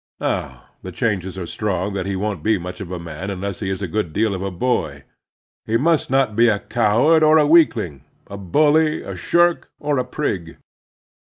Now, the chances are strong that he won't be much of a man unless he is a good deal of a boy. He must not be a coward or a weakling, a bully, a shirk, or a prig.